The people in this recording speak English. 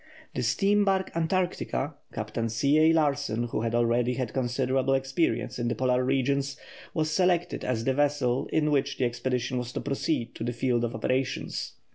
The steam barque Antarctica, Captain C. A. Larsen, who had already had considerable experience in the Polar regions, was selected as the vessel in which the expedition was to proceed to the field of operations.